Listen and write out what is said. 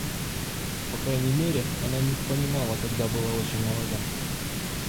По крайней мере, она не понимала, когда была очень молода.